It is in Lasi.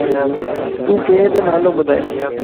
تون پيءَ جو نالو ٻڌائي؟